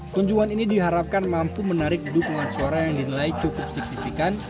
kunjungan ini diharapkan mampu menarik dukungan suara yang dinilai cukup signifikan